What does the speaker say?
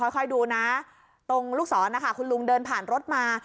ค่อยดูนะตรงลูกศรนะคะคุณลุงเดินผ่านรถมา